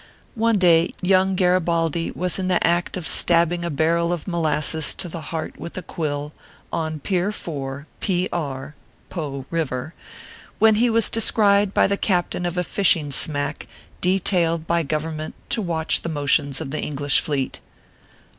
One day, young Garibaldi was in the act of stabbing a ban el of molasses to the heart with a quill, on Pier 4, P. R. (Po River), when he was descried by the captain of a fishing smack, detailed by Government to watch the motions of the English fleet.